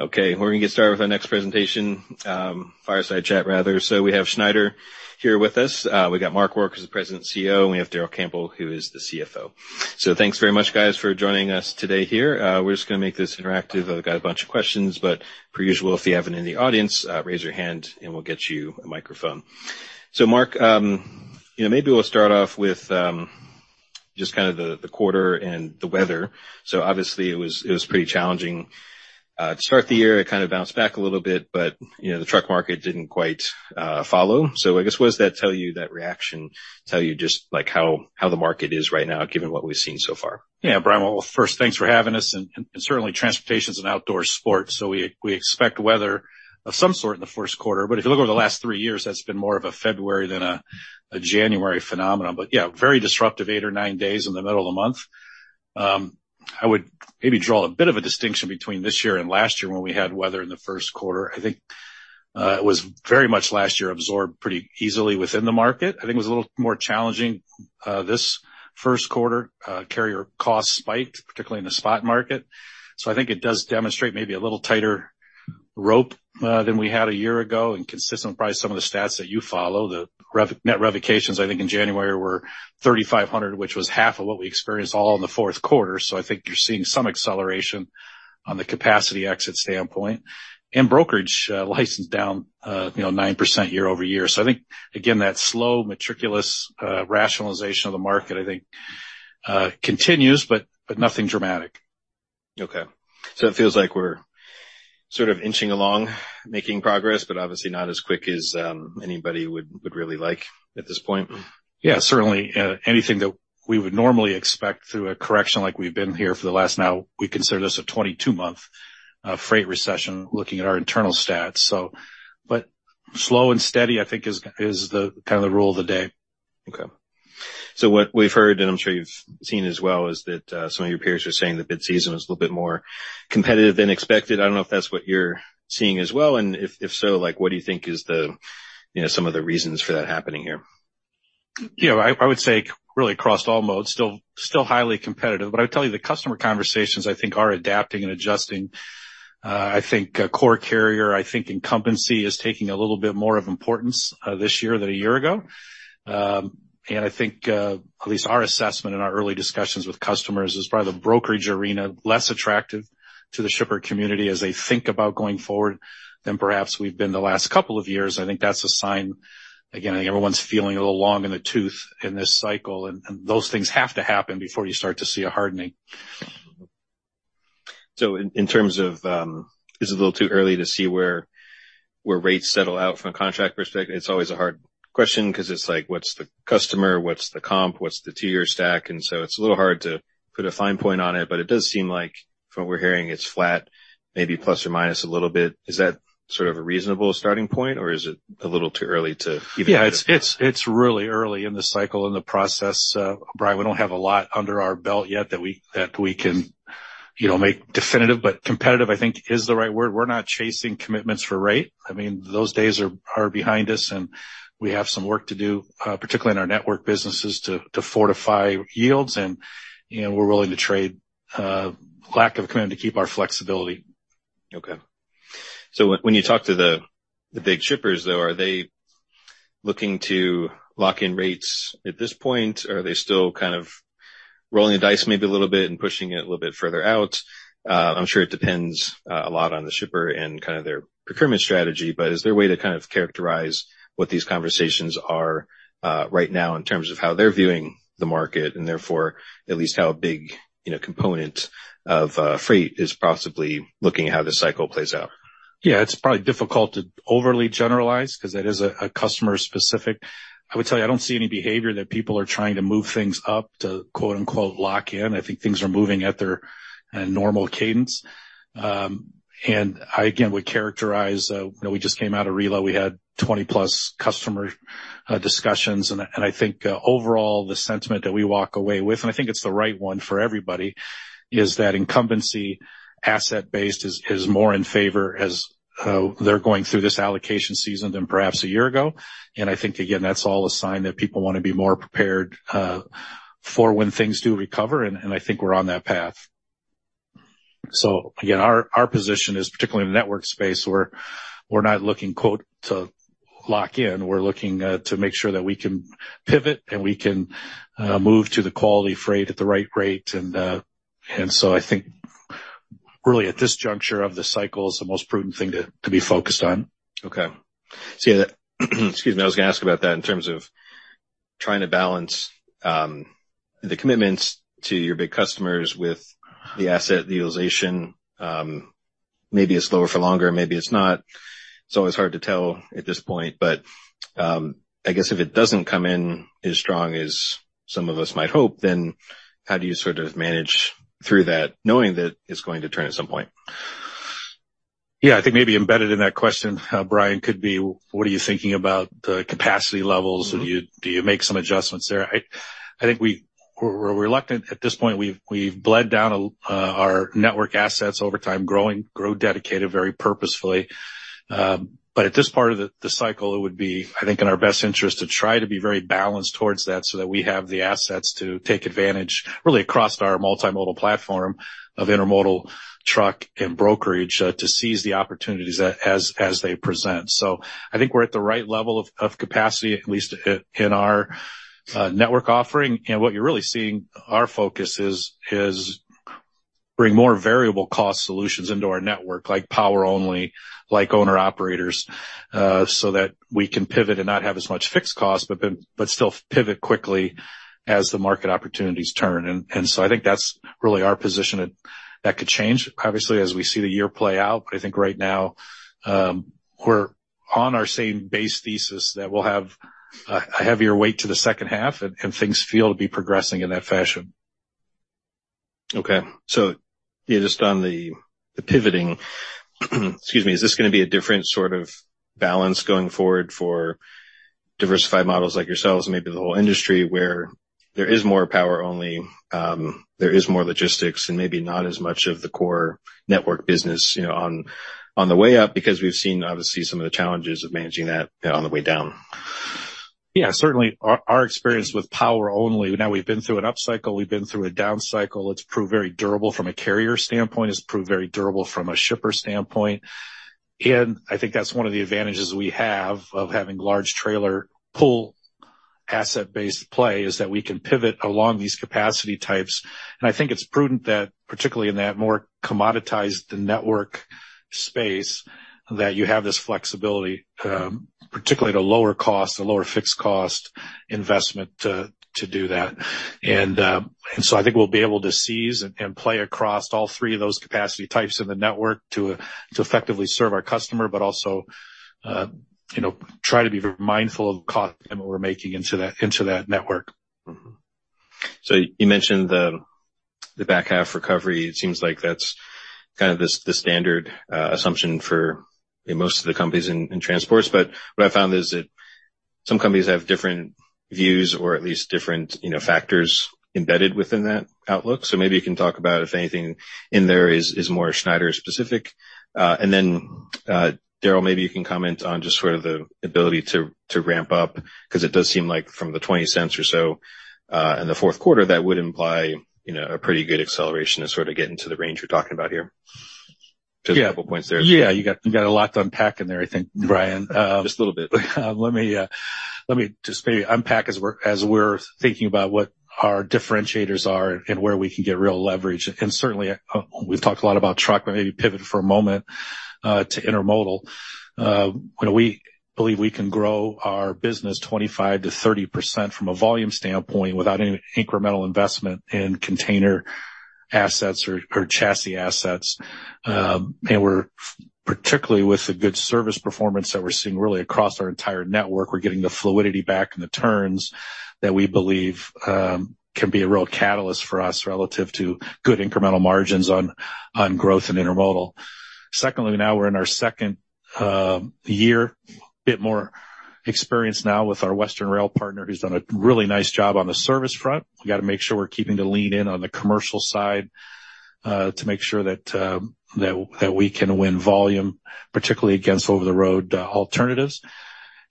Okay, we're going to get started with our next presentation, Fireside Chat, rather. So we have Schneider here with us. We got Mark Rourke, who's the President and CEO, and we have Darrell Campbell, who is the CFO. So thanks very much, guys, for joining us today here. We're just gonna make this interactive. I've got a bunch of questions, but per usual, if you have any in the audience, raise your hand, and we'll get you a microphone. So Mark, you know, maybe we'll start off with just kind of the quarter and the weather. So obviously, it was pretty challenging to start the year. It kind of bounced back a little bit, but, you know, the truck market didn't quite follow. So, I guess, what does that tell you, that reaction tell you just, like, how the market is right now, given what we've seen so far? Yeah, Brian, well, first, thanks for having us, and certainly, transportation is an outdoor sport, so we expect weather of some sort in the first quarter. But if you look over the last 3 years, that's been more of a February than a January phenomenon. But yeah, very disruptive 8 or 9 days in the middle of the month. I would maybe draw a bit of a distinction between this year and last year when we had weather in the first quarter. I think it was very much last year absorbed pretty easily within the market. I think it was a little more challenging this first quarter. Carrier costs spiked, particularly in the spot market. So I think it does demonstrate maybe a little tighter rope than we had a year ago, and consistent with probably some of the stats that you follow. The net revocations, I think, in January, were 3,500, which was half of what we experienced all in the fourth quarter. So I think you're seeing some acceleration on the capacity exit standpoint. And brokerage license down, you know, 9% year-over-year. So I think, again, that slow, meticulous rationalization of the market, I think, continues, but nothing dramatic. Okay. So it feels like we're sort of inching along, making progress, but obviously not as quick as anybody would really like at this point. Yeah, certainly, anything that we would normally expect through a correction like we've been here for the last, now we consider this a 22-month freight recession, looking at our internal stats. So but slow and steady, I think is the kind of the rule of the day. Okay. So what we've heard, and I'm sure you've seen as well, is that some of your peers are saying the bid season was a little bit more competitive than expected. I don't know if that's what you're seeing as well, and if so, like, what do you think is the, you know, some of the reasons for that happening here? You know, I would say really across all modes, still highly competitive. But I would tell you the customer conversations, I think, are adapting and adjusting. I think a core carrier, I think incumbency is taking a little bit more of importance this year than a year ago. And I think at least our assessment and our early discussions with customers is probably the brokerage arena, less attractive to the shipper community as they think about going forward than perhaps we've been the last couple of years. I think that's a sign. Again, I think everyone's feeling a little long in the tooth in this cycle, and those things have to happen before you start to see a hardening. So in terms of, it's a little too early to see where rates settle out from a contract perspective. It's always a hard question because it's like, what's the customer, what's the comp, what's the tier stack? And so it's a little hard to put a fine point on it, but it does seem like from what we're hearing, it's flat, maybe plus or minus a little bit. Is that sort of a reasonable starting point, or is it a little too early to even- Yeah, it's really early in the cycle, in the process. Brian, we don't have a lot under our belt yet that we can, you know, make definitive, but competitive, I think, is the right word. We're not chasing commitments for rate. I mean, those days are behind us, and we have some work to do, particularly in our network businesses, to fortify yields, and, you know, we're willing to trade, lack of commitment to keep our flexibility. Okay. So when you talk to the big shippers, though, are they looking to lock in rates at this point, or are they still kind of rolling the dice maybe a little bit and pushing it a little bit further out? I'm sure it depends a lot on the shipper and kind of their procurement strategy, but is there a way to kind of characterize what these conversations are right now in terms of how they're viewing the market and therefore at least how a big, you know, component of freight is possibly looking at how this cycle plays out? Yeah, it's probably difficult to overly generalize because that is a customer specific. I would tell you, I don't see any behavior that people are trying to move things up to, quote-unquote, lock in. I think things are moving at their normal cadence. And I again would characterize, you know, we just came out of RILA. We had 20-plus customer discussions, and I think overall, the sentiment that we walk away with, and I think it's the right one for everybody, is that incumbency asset base is more in favor as they're going through this allocation season than perhaps a year ago. And I think, again, that's all a sign that people want to be more prepared for when things do recover, and I think we're on that path. So again, our position is particularly in the network space, where we're not looking, quote, to lock in. We're looking to make sure that we can pivot, and we can move to the quality freight at the right rate. And so I think really, at this juncture of the cycle, is the most prudent thing to be focused on. Okay. So yeah, excuse me, I was going to ask about that in terms of trying to balance, the commitments to your big customers with the asset, the utilization. Maybe it's lower for longer, maybe it's not. It's always hard to tell at this point, but, I guess if it doesn't come in as strong as some of us might hope, then how do you sort of manage through that, knowing that it's going to turn at some point? Yeah, I think maybe embedded in that question, Brian, could be, what are you thinking about the capacity levels? Do you make some adjustments there? I think we're reluctant. At this point, we've bled down our network assets over time, growing dedicated very purposefully. But at this part of the cycle, it would be, I think, in our best interest to try to be very balanced towards that, so that we have the assets to take advantage, really, across our multimodal platform of intermodal truck and brokerage, to seize the opportunities as they present. So I think we're at the right level of capacity, at least in our network offering. What you're really seeing, our focus is to bring more variable cost solutions into our network, like power only, like owner-operators, so that we can pivot and not have as much fixed cost, but still pivot quickly as the market opportunities turn. And so I think that's really our position. That could change, obviously, as we see the year play out, but I think right now, we're on our same base thesis that we'll have a heavier weight to the second half, and things feel to be progressing in that fashion. Okay. So yeah, just on the pivoting, excuse me, is this gonna be a different sort of balance going forward for diversified models like yourselves, and maybe the whole industry, where there is more power only, there is more logistics and maybe not as much of the core network business, you know, on the way up, because we've seen, obviously, some of the challenges of managing that on the way down? Yeah, certainly. Our experience with power only. Now we've been through an upcycle, we've been through a down cycle. It's proved very durable from a carrier standpoint. It's proved very durable from a shipper standpoint. And I think that's one of the advantages we have of having large trailer pool asset-based play, is that we can pivot along these capacity types. And I think it's prudent that, particularly in that more commoditized network space, that you have this flexibility, particularly at a lower cost, a lower fixed cost investment to do that. And so I think we'll be able to seize and play across all three of those capacity types in the network to effectively serve our customer, but also, you know, try to be very mindful of the cost and what we're making into that network. Mm-hmm. So you mentioned the, the back half recovery. It seems like that's kind of the, the standard, assumption for most of the companies in, in transports. But what I found is that some companies have different views or at least different, you know, factors embedded within that outlook. So maybe you can talk about if anything in there is, is more Schneider specific. And then, Darrell, maybe you can comment on just sort of the ability to, to ramp up, because it does seem like from the $0.20 or so in the fourth quarter, that would imply, you know, a pretty good acceleration to sort of get into the range you're talking about here. Just a couple points there. Yeah, you got a lot to unpack in there, I think, Brian. Just a little bit. Let me just maybe unpack as we're thinking about what our differentiators are and where we can get real leverage. And certainly, we've talked a lot about truck, but maybe pivot for a moment to intermodal. When we believe we can grow our business 25%-30% from a volume standpoint without any incremental investment in container assets or chassis assets, and we're, particularly with the good service performance that we're seeing really across our entire network, we're getting the fluidity back in the turns that we believe can be a real catalyst for us relative to good incremental margins on growth and intermodal. Secondly, now we're in our second year. Bit more experience now with our Western rail partner, who's done a really nice job on the service front. We got to make sure we're keeping the lean in on the commercial side to make sure that we can win volume, particularly against over-the-road alternatives.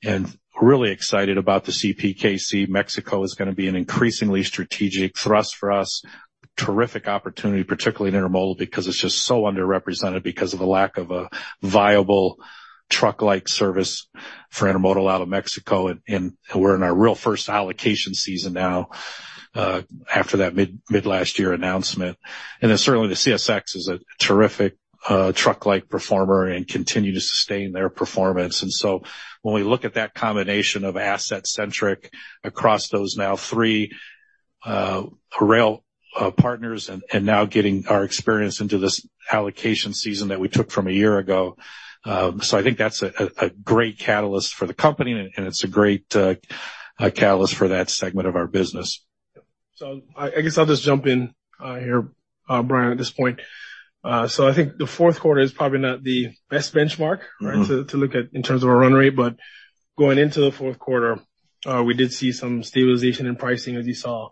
And we're really excited about the CPKC. Mexico is going to be an increasingly strategic thrust for us. Terrific opportunity, particularly in intermodal, because it's just so underrepresented because of the lack of a viable truck-like service for intermodal out of Mexico, and we're in our real first allocation season now after that mid-last year announcement. And then certainly, the CSX is a terrific truck-like performer and continue to sustain their performance. And so when we look at that combination of asset centric across those now three rail partners and now getting our experience into this allocation season that we took from a year ago. So, I think that's a great catalyst for the company, and it's a great catalyst for that segment of our business. So I guess I'll just jump in here, Brian, at this point. So I think the fourth quarter is probably not the best benchmark. Mm-hmm. Right, to look at in terms of our run rate, but going into the fourth quarter, we did see some stabilization in pricing, as you saw,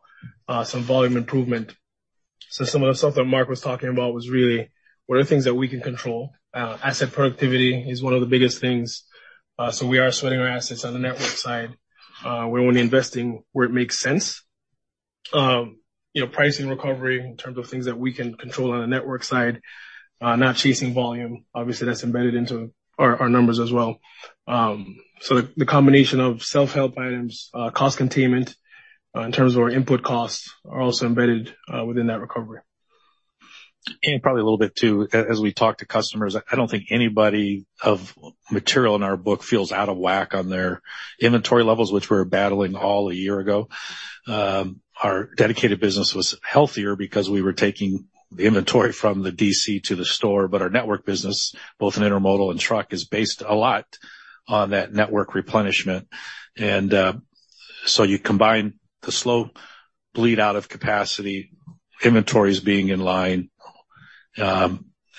some volume improvement. So some of the stuff that Mark was talking about was really, what are the things that we can control? Asset productivity is one of the biggest things. So we are sweating our assets on the network side. We're only investing where it makes sense. You know, pricing recovery in terms of things that we can control on the network side, not chasing volume. Obviously, that's embedded into our numbers as well. So the combination of self-help items, cost containment, in terms of our input costs, are also embedded within that recovery. And probably a little bit, too, as we talk to customers, I don't think anybody of material in our book feels out of whack on their inventory levels, which we were battling all a year ago. Our dedicated business was healthier because we were taking the inventory from the DC to the store, but our network business, both in intermodal and truck, is based a lot on that network replenishment. And so you combine the slow bleed out of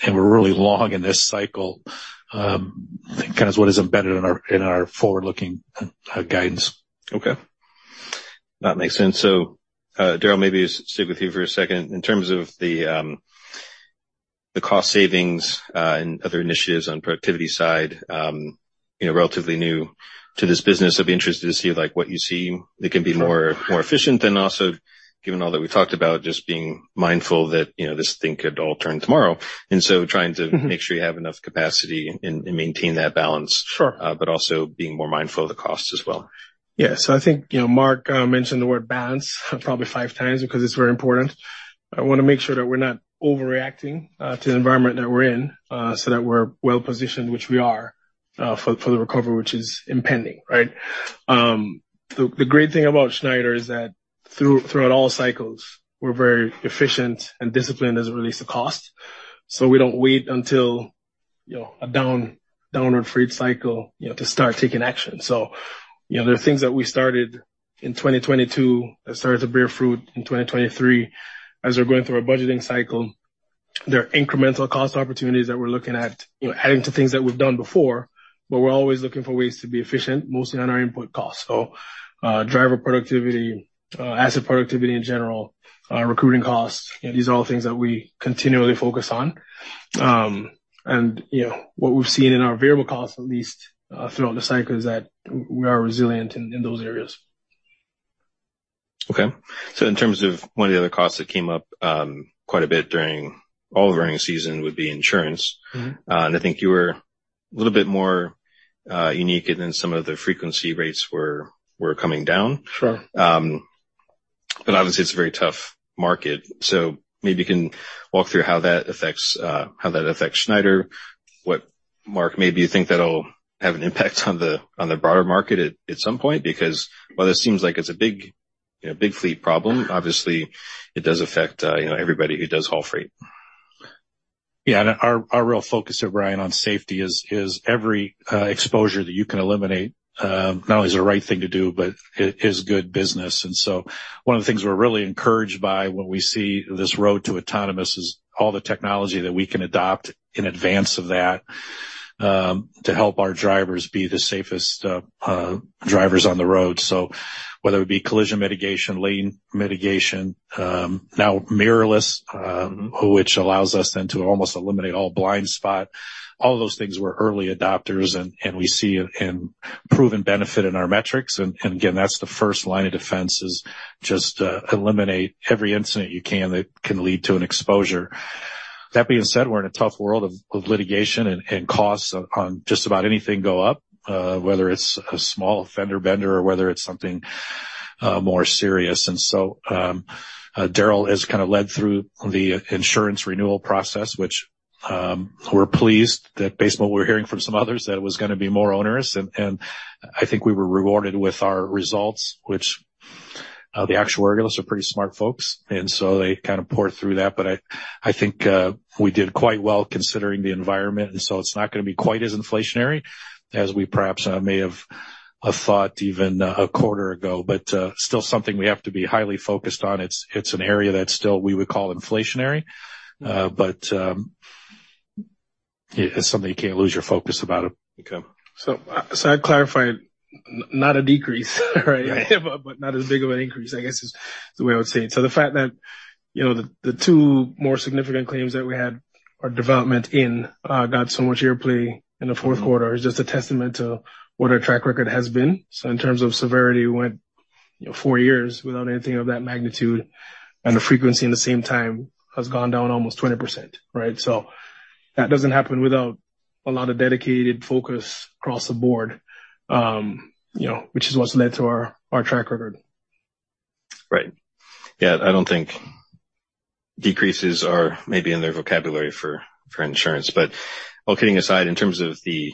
capacity, inventories being in line. And we're really long in this cycle, kind of what is embedded in our forward-looking guidance. Okay, that makes sense. So, Darrell, maybe stick with you for a second. In terms of the cost savings, and other initiatives on productivity side, you know, relatively new to this business, I'd be interested to see, like, what you see that can be more efficient, and also, given all that we talked about, just being mindful that, you know, this thing could all turn tomorrow. And so trying to- Mm-hmm. Make sure you have enough capacity and maintain that balance. Sure. But also being more mindful of the costs as well. Yeah. So I think, you know, Mark mentioned the word balance probably five times because it's very important. I want to make sure that we're not overreacting to the environment that we're in, so that we're well positioned, which we are, for the recovery, which is impending, right? The great thing about Schneider is that throughout all cycles, we're very efficient and disciplined as it relates to cost, so we don't wait until, you know, a downward freight cycle, you know, to start taking action. So, you know, there are things that we started in 2022, that started to bear fruit in 2023. As we're going through our budgeting cycle, there are incremental cost opportunities that we're looking at, you know, adding to things that we've done before, but we're always looking for ways to be efficient, mostly on our input costs. So, driver productivity, asset productivity in general, recruiting costs, these are all things that we continually focus on. And, you know, what we've seen in our variable costs, at least, throughout the cycle, is that we are resilient in those areas. Okay. So in terms of one of the other costs that came up quite a bit during all during the season, would be insurance. Mm-hmm. I think you were a little bit more unique, and then some of the frequency rates were coming down. Sure. But obviously, it's a very tough market, so maybe you can walk through how that affects how that affects Schneider. What, Mark, maybe you think that'll have an impact on the on the broader market at some point? Because while it seems like it's a big, you know, big fleet problem, obviously, it does affect you know, everybody who does haul freight. Yeah, and our real focus here, Brian, on safety is every exposure that you can eliminate, not only is the right thing to do, but it is good business. And so one of the things we're really encouraged by when we see this road to autonomous is all the technology that we can adopt in advance of that, to help our drivers be the safest drivers on the road. So whether it be collision mitigation, lane mitigation, now mirrorless, which allows us then to almost eliminate all blind spot. All of those things were early adopters, and we see it in proven benefit in our metrics. And again, that's the first line of defense, is just eliminate every incident you can that can lead to an exposure. That being said, we're in a tough world of litigation, and costs on just about anything go up, whether it's a small fender bender or whether it's something more serious. And so, Darrell has kind of led through the insurance renewal process, which we're pleased that based on what we're hearing from some others, that it was going to be more onerous, and I think we were rewarded with our results, which the actuaries are pretty smart folks, and so they kind of poured through that. But I think we did quite well considering the environment, and so it's not going to be quite as inflationary as we perhaps may have thought even a quarter ago. But still something we have to be highly focused on. It's an area that still we would call inflationary, but it's something you can't lose your focus about it. Okay. So, so I'd clarify, not a decrease, right? But not as big of an increase, I guess, is the way I would say it. So the fact that, you know, the two more significant claims that we had, or development in, got so much airplay in the fourth quarter is just a testament to what our track record has been. So in terms of severity, we went, you know, four years without anything of that magnitude, and the frequency in the same time has gone down almost 20%, right? So that doesn't happen without a lot of dedicated focus across the board, you know, which is what's led to our track record. Right. Yeah, I don't think decreases are maybe in their vocabulary for, for insurance. But all kidding aside, in terms of the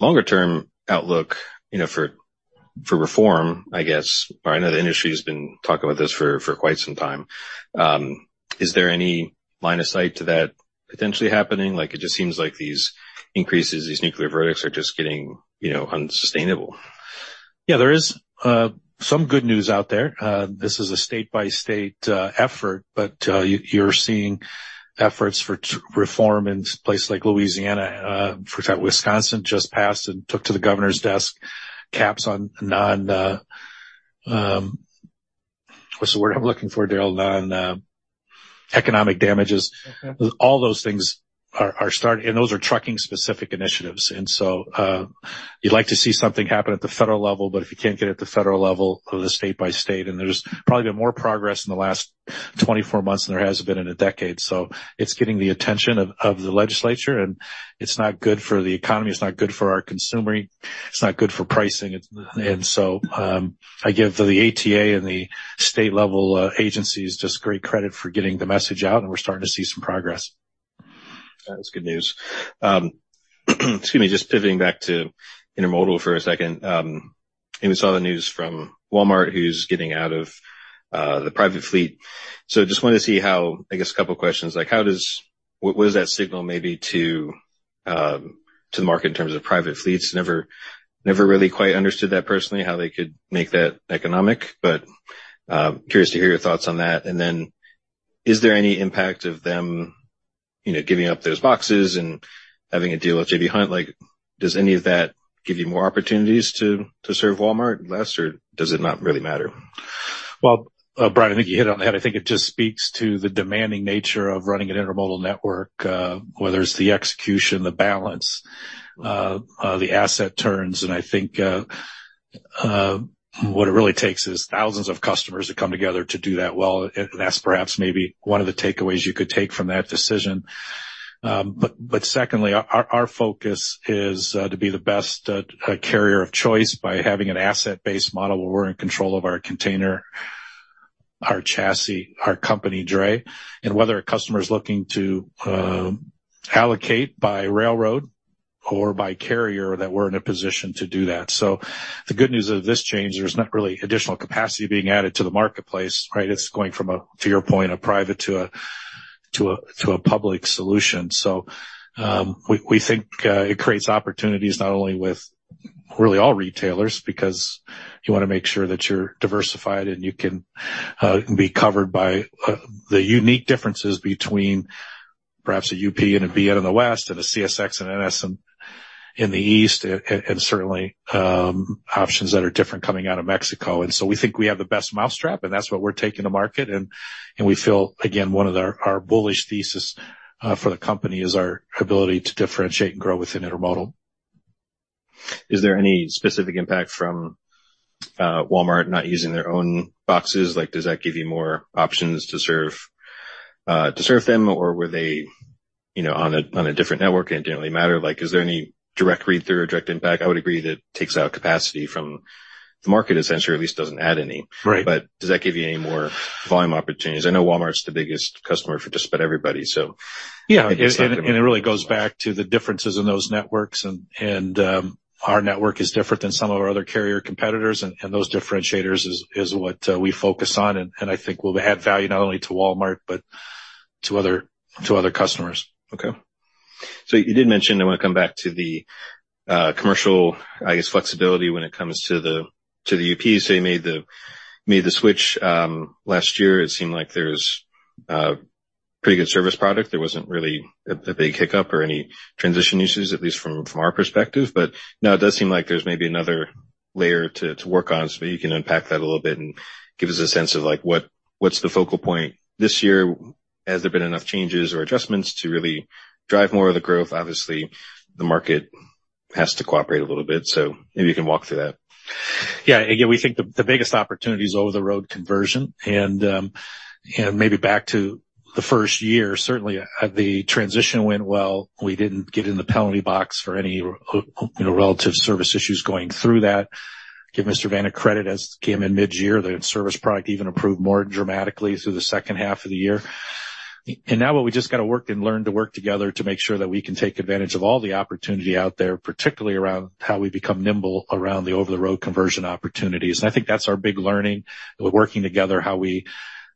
longer-term outlook, you know, for, for reform, I guess I know the industry has been talking about this for, for quite some time. Is there any line of sight to that potentially happening? Like, it just seems like these increases, these nuclear verdicts are just getting, you know, unsustainable. Yeah, there is some good news out there. This is a state-by-state effort, but you're seeing efforts for reform in places like Louisiana, which Wisconsin just passed and took to the governor's desk, caps on non... What's the word I'm looking for, Darrell? Non economic damages. Okay. All those things are starting, and those are trucking-specific initiatives. And so, you'd like to see something happen at the federal level, but if you can't get it at the federal level, go to state by state. And there's probably been more progress in the last 24 months than there has been in a decade. So it's getting the attention of the legislature, and it's not good for the economy, it's not good for our consumer, it's not good for pricing. And so, I give the ATA and the state-level agencies just great credit for getting the message out, and we're starting to see some progress. That's good news. Excuse me. Just pivoting back to intermodal for a second. And we saw the news from Walmart, who's getting out of the private fleet. So just wanted to see how. I guess a couple of questions, like, what does that signal maybe to the market in terms of private fleets. Never really quite understood that personally, how they could make that economic, but curious to hear your thoughts on that. And then is there any impact of them, you know, giving up those boxes and having a deal with J.B. Hunt? Like, does any of that give you more opportunities to serve Walmart less, or does it not really matter? Well, Brian, I think you hit it on the head. I think it just speaks to the demanding nature of running an intermodal network, whether it's the execution, the balance, the asset turns. I think what it really takes is thousands of customers to come together to do that well, and that's perhaps maybe one of the takeaways you could take from that decision. Secondly, our focus is to be the best carrier of choice by having an asset-based model where we're in control of our container, our chassis, our dray, and whether a customer is looking to allocate by railroad or by carrier, that we're in a position to do that. The good news of this change, there's not really additional capacity being added to the marketplace, right? It's going from a, to your point, a private to a public solution. So, we think it creates opportunities not only with really all retailers, because you want to make sure that you're diversified and you can be covered by the unique differences between perhaps a UP and a BN in the west, and a CSX and NS in the east, and certainly options that are different coming out of Mexico. And so we think we have the best mousetrap, and that's what we're taking to market. And we feel, again, one of our bullish thesis for the company is our ability to differentiate and grow within intermodal. Is there any specific impact from Walmart not using their own boxes? Like, does that give you more options to serve to serve them, or were they, you know, on a on a different network and it didn't really matter? Like, is there any direct read-through or direct impact? I would agree that takes out capacity from the market, essentially, or at least doesn't add any. Right. Does that give you any more volume opportunities? I know Walmart's the biggest customer for just about everybody, so- Yeah, and it really goes back to the differences in those networks, and our network is different than some of our other carrier competitors, and those differentiators is what we focus on, and I think we'll add value not only to Walmart, but to other customers. Okay. So you did mention, I want to come back to the commercial, I guess, flexibility when it comes to the UP. So you made the switch last year. It seemed like there's a pretty good service product. There wasn't really a big hiccup or any transition issues, at least from our perspective. But now it does seem like there's maybe another layer to work on, so you can unpack that a little bit and give us a sense of, like, what's the focal point this year? Has there been enough changes or adjustments to really drive more of the growth? Obviously, the market has to cooperate a little bit, so maybe you can walk through that. Yeah. Again, we think the biggest opportunity is over-the-road conversion, and maybe back to the first year. Certainly, the transition went well. We didn't get in the penalty box for any relative service issues going through that. Give Mr. Vena credit, as came in mid-year, the service product even improved more dramatically through the second half of the year. And now what we just got to work and learn to work together to make sure that we can take advantage of all the opportunity out there, particularly around how we become nimble around the over-the-road conversion opportunities. And I think that's our big learning, working together, how we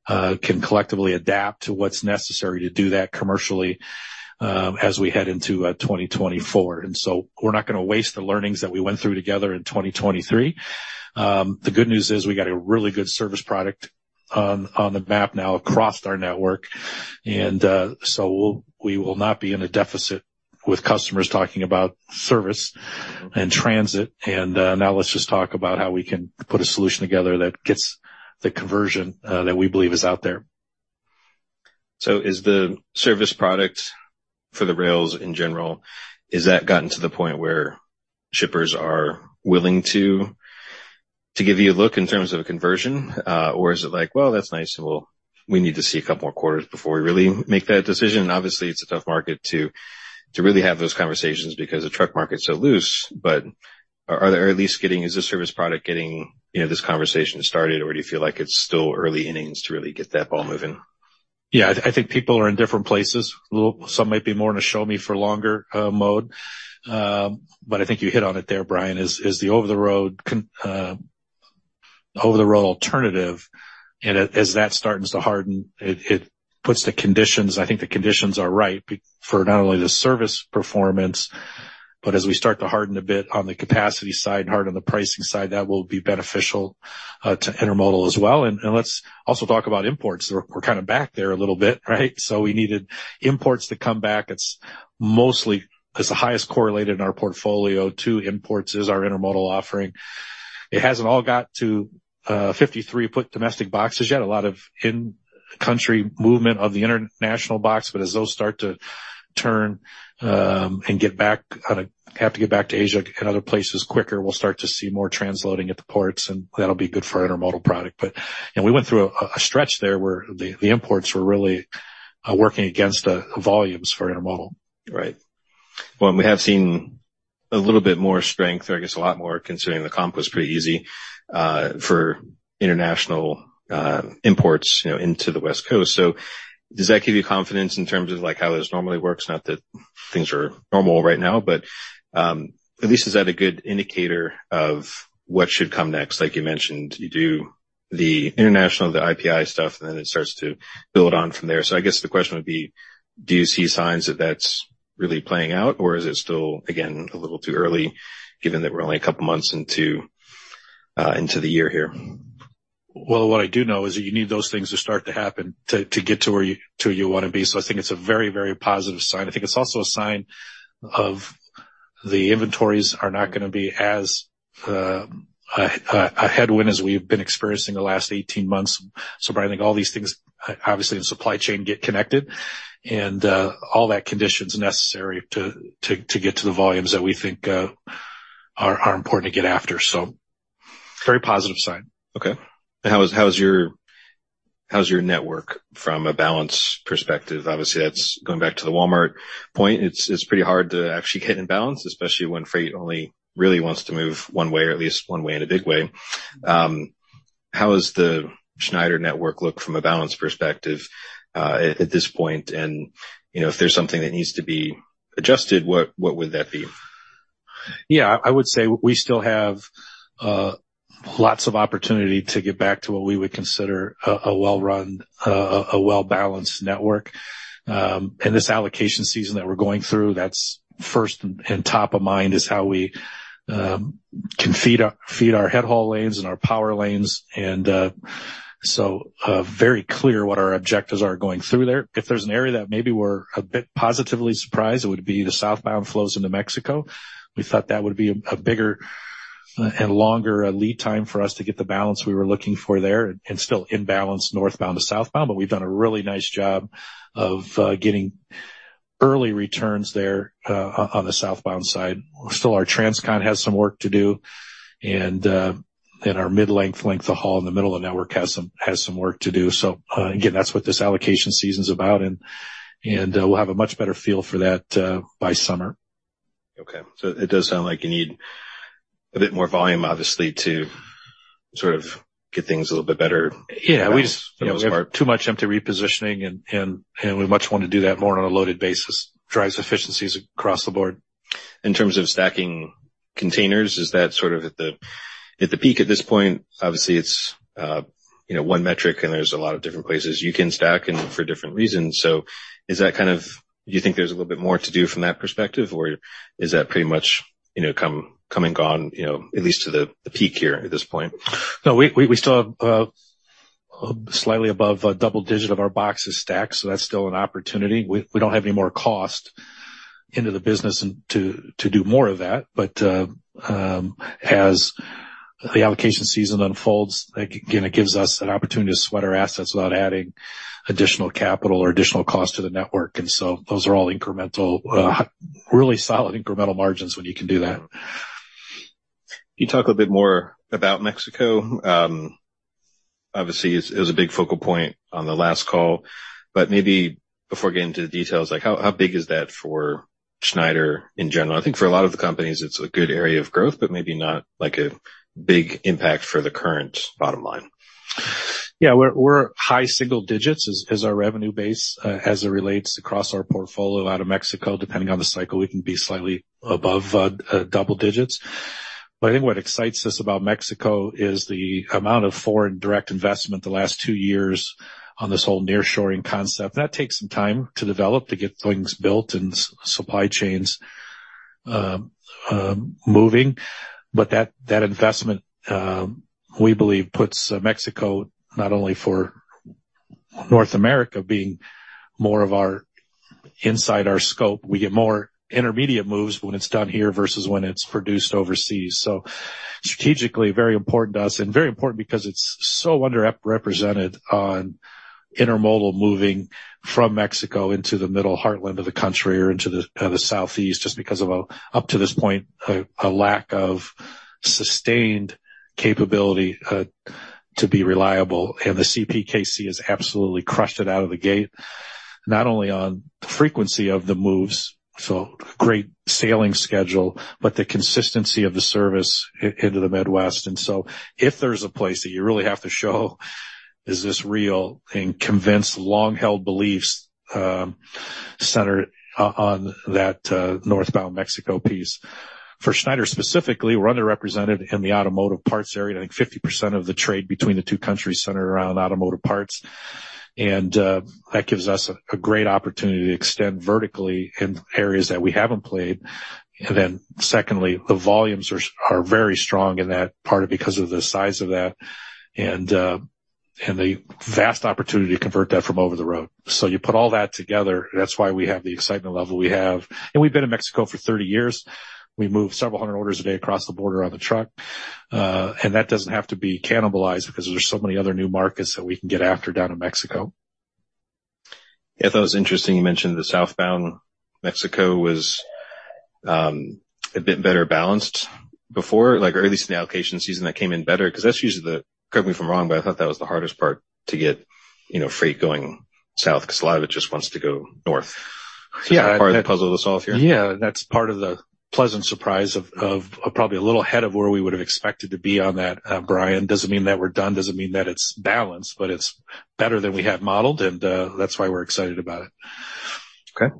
can collectively adapt to what's necessary to do that commercially, as we head into 2024. And so we're not going to waste the learnings that we went through together in 2023. The good news is we got a really good service product on the map now across our network, and so we will not be in a deficit with customers talking about service and transit. Now let's just talk about how we can put a solution together that gets the conversion that we believe is out there. So is the service product for the rails in general, has that gotten to the point where shippers are willing to give you a look in terms of a conversion? Or is it like, well, that's nice, and we'll—we need to see a couple more quarters before we really make that decision. Obviously, it's a tough market to really have those conversations because the truck market is so loose. But is the service product getting, you know, this conversation started, or do you feel like it's still early innings to really get that ball moving? Yeah, I think people are in different places. Well, some might be more in a show me for longer mode, but I think you hit on it there, Brian, is the over-the-road alternative, and as that starts to harden, it puts the conditions... I think the conditions are right for not only the service performance, but as we start to harden a bit on the capacity side and harden the pricing side, that will be beneficial to intermodal as well. And let's also talk about imports. We're kind of back there a little bit, right? So we needed imports to come back. It's mostly the highest correlated in our portfolio to imports is our intermodal offering. It hasn't all got to 53-foot domestic boxes yet. A lot of in-country movement of the international box, but as those start to turn and have to get back to Asia and other places quicker, we'll start to see more transloading at the ports, and that'll be good for our intermodal product. But, you know, we went through a stretch there where the imports were really working against the volumes for intermodal. Right. Well, and we have seen a little bit more strength, or I guess a lot more, considering the comp was pretty easy, for international, imports, you know, into the West Coast. So does that give you confidence in terms of, like, how this normally works? Not that things are normal right now, but, at least, is that a good indicator of what should come next? Like you mentioned, you do have the international, the IPI stuff, and then it starts to build on from there. So I guess the question would be: do you see signs that that's really playing out, or is it still, again, a little too early, given that we're only a couple of months into the year here? Well, what I do know is that you need those things to start to happen to get to where you want to be. So I think it's a very, very positive sign. I think it's also a sign of the inventories are not going to be as a headwind as we've been experiencing the last 18 months. So Brian, I think all these things, obviously, in supply chain, get connected, and all that conditions necessary to get to the volumes that we think are important to get after. So very positive sign. Okay. And how's your network from a balance perspective? Obviously, that's going back to the Walmart point. It's pretty hard to actually get in balance, especially when freight only really wants to move one way, or at least one way, in a big way. How is the Schneider network look from a balance perspective, at this point, and, you know, if there's something that needs to be adjusted, what would that be? Yeah, I would say we still have lots of opportunity to get back to what we would consider a well-run, a well-balanced network. And this allocation season that we're going through, that's first and top of mind, is how we can feed our, feed our head haul lanes and our power lanes, and so very clear what our objectives are going through there. If there's an area that maybe we're a bit positively surprised, it would be the southbound flows into Mexico. We thought that would be a bigger and longer lead time for us to get the balance we were looking for there, and still imbalanced northbound to southbound, but we've done a really nice job of getting early returns there on the southbound side. Still, our transcon has some work to do, and our mid-length of haul in the middle of the network has some work to do. So, again, that's what this allocation season is about, and we'll have a much better feel for that by summer. Okay. So it does sound like you need a bit more volume, obviously, to sort of get things a little bit better. Yeah, we just, you know, we have too much empty repositioning, and we much want to do that more on a loaded basis, drives efficiencies across the board. In terms of stacking containers, is that sort of at the, at the peak at this point? Obviously, it's, you know, one metric, and there's a lot of different places you can stack and for different reasons. So is that kind of... Do you think there's a little bit more to do from that perspective, or is that pretty much, you know, come, come and gone, you know, at least to the peak here at this point? No, we still have slightly above a double digit of our boxes stacked, so that's still an opportunity. We don't have any more cost into the business and to do more of that. But, as the allocation season unfolds, again, it gives us an opportunity to sweat our assets without adding additional capital or additional cost to the network. And so those are all incremental, really solid incremental margins when you can do that. Can you talk a bit more about Mexico? Obviously, it was a big focal point on the last call, but maybe before getting into the details, like, how, how big is that for Schneider in general? I think for a lot of the companies, it's a good area of growth, but maybe not like a big impact for the current bottom line. Yeah, we're, we're high single digits as, as our revenue base, as it relates across our portfolio out of Mexico. Depending on the cycle, we can be slightly above, double digits. But I think what excites us about Mexico is the amount of foreign direct investment the last two years on this whole nearshoring concept. That takes some time to develop, to get things built and supply chains, moving. But that, that investment, we believe, puts Mexico not only for North America, being more of our inside our scope. We get more intermediate moves when it's done here versus when it's produced overseas. So strategically, very important to us and very important because it's so underrepresented on intermodal, moving from Mexico into the middle heartland of the country or into the southeast, just because of, up to this point, a lack of sustained capability to be reliable. And the CPKC has absolutely crushed it out of the gate, not only on the frequency of the moves, so great sailing schedule, but the consistency of the service into the Midwest. And so if there's a place that you really have to show, is this real, and convince long-held beliefs, centered on that northbound Mexico piece. For Schneider, specifically, we're underrepresented in the automotive parts area. I think 50% of the trade between the two countries center around automotive parts, and that gives us a great opportunity to extend vertically in areas that we haven't played. And then secondly, the volumes are very strong in that part because of the size of that and the vast opportunity to convert that from over the road. So you put all that together, that's why we have the excitement level we have. And we've been in Mexico for 30 years. We move several hundred orders a day across the border on the truck, and that doesn't have to be cannibalized because there's so many other new markets that we can get after down in Mexico. Yeah, that was interesting. You mentioned the southbound Mexico was a bit better balanced before, like, or at least in the allocation season, that came in better, because that's usually the, correct me if I'm wrong, but I thought that was the hardest part to get, you know, freight going south, because a lot of it just wants to go north. Yeah. Part of the puzzle to solve here. Yeah, that's part of the pleasant surprise of probably a little ahead of where we would have expected to be on that, Brian. Doesn't mean that we're done, doesn't mean that it's balanced, but it's better than we had modeled, and that's why we're excited about it.... Okay.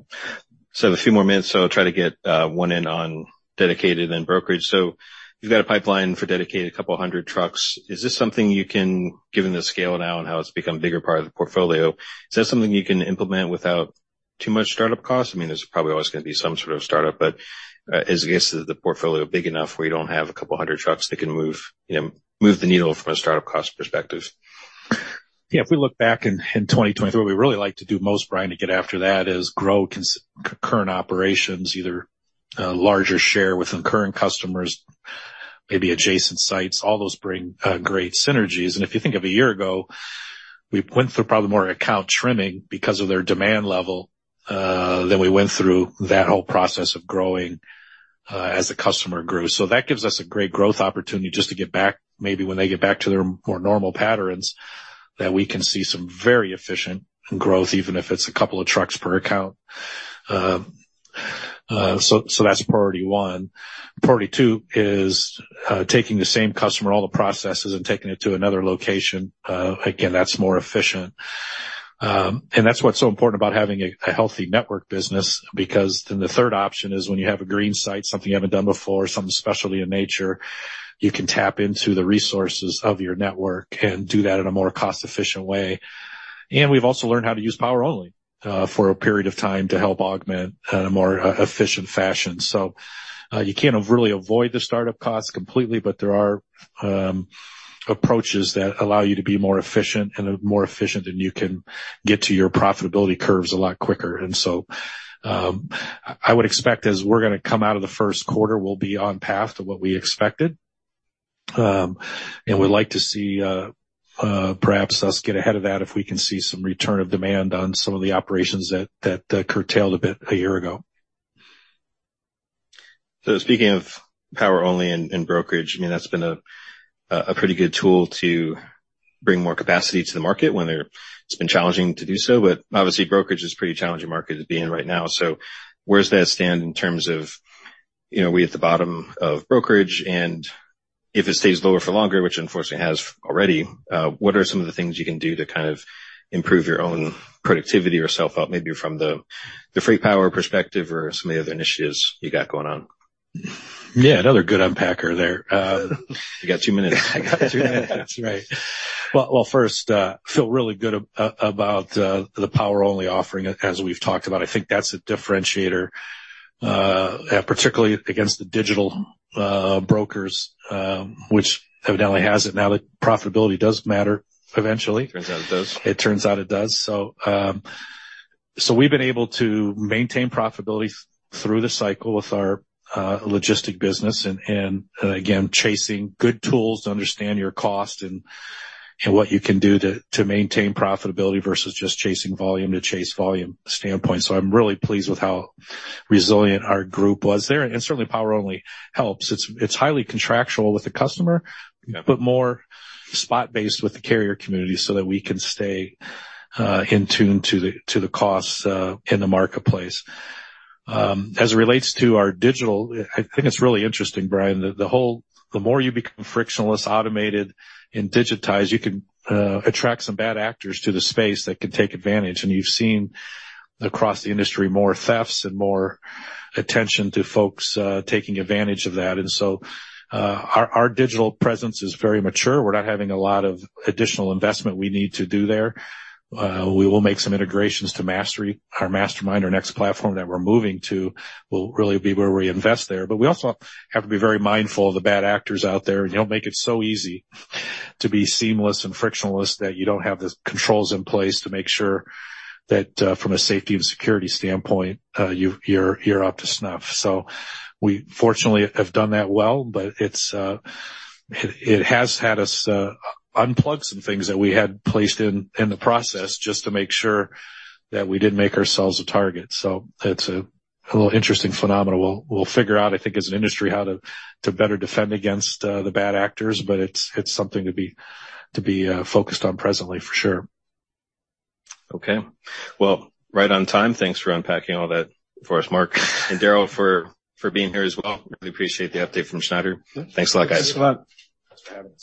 So I have a few more minutes, so I'll try to get one in on dedicated and brokerage. So you've got a pipeline for dedicated a couple of hundred trucks. Is this something you can, given the scale now and how it's become a bigger part of the portfolio, is that something you can implement without too much startup cost? I mean, there's probably always going to be some sort of startup, but I guess, is the portfolio big enough where you don't have a couple of hundred trucks that can move, you know, move the needle from a startup cost perspective? Yeah, if we look back in 2023, what we really like to do most, Brian, to get after that, is grow current operations, either larger share within current customers, maybe adjacent sites. All those bring great synergies. And if you think of a year ago, we went through probably more account trimming because of their demand level than we went through that whole process of growing as the customer grew. So that gives us a great growth opportunity just to get back, maybe when they get back to their more normal patterns, that we can see some very efficient growth, even if it's a couple of trucks per account. So that's priority one. Priority two is taking the same customer, all the processes, and taking it to another location. Again, that's more efficient. And that's what's so important about having a healthy network business, because then the third option is when you have a green site, something you haven't done before, something specialty in nature, you can tap into the resources of your network and do that in a more cost-efficient way. And we've also learned how to use power only for a period of time to help augment in a more efficient fashion. So, you can't really avoid the startup costs completely, but there are approaches that allow you to be more efficient, and more efficient, and you can get to your profitability curves a lot quicker. And so, I would expect as we're going to come out of the first quarter, we'll be on path to what we expected. We'd like to see perhaps us get ahead of that if we can see some return of demand on some of the operations that curtailed a bit a year ago. So speaking of power only and brokerage, I mean, that's been a pretty good tool to bring more capacity to the market when they're... It's been challenging to do so, but obviously, brokerage is a pretty challenging market to be in right now. So where does that stand in terms of, you know, we at the bottom of brokerage, and if it stays lower for longer, which, unfortunately, it has already, what are some of the things you can do to kind of improve your own productivity or self-help, maybe from the free power perspective or some of the other initiatives you got going on? Yeah, another good unpacker there. You got 2 minutes. I got two minutes, right. Well, first, feel really good about the power-only offering as we've talked about. I think that's a differentiator, particularly against the digital brokers, which evidently has it now, that profitability does matter eventually. Turns out it does. It turns out it does. So, so we've been able to maintain profitability through the cycle with our, logistics business, and, and again, chasing good tools to understand your cost and, and what you can do to, to maintain profitability versus just chasing volume to chase volume standpoint. So I'm really pleased with how resilient our group was there, and certainly, power only helps. It's, it's highly contractual with the customer, but more spot-based with the carrier community so that we can stay, in tune to the, to the costs, in the marketplace. As it relates to our digital, I think it's really interesting, Brian, that the whole... The more you become frictionless, automated, and digitized, you can, attract some bad actors to the space that can take advantage. And you've seen across the industry more thefts and more attention to folks taking advantage of that. And so, our digital presence is very mature. We're not having a lot of additional investment we need to do there. We will make some integrations to Mastery. Our Master next platform that we're moving to will really be where we invest there. But we also have to be very mindful of the bad actors out there. You don't make it so easy to be seamless and frictionless that you don't have the controls in place to make sure that, from a safety and security standpoint, you're up to snuff. So we fortunately have done that well, but it has had us unplug some things that we had placed in the process just to make sure that we didn't make ourselves a target. So it's a little interesting phenomenon. We'll figure out, I think, as an industry, how to better defend against the bad actors, but it's something to be focused on presently for sure. Okay. Well, right on time. Thanks for unpacking all that for us, Mark and Darrell, for being here as well. Really appreciate the update from Schneider. Thanks a lot, guys. Thanks a lot. Thanks for having us.